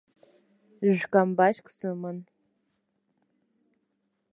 Жә-камбашьк сыман.